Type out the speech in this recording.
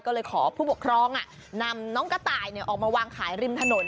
ก็เลยขอผู้ปกครองนำน้องกระต่ายออกมาวางขายริมถนน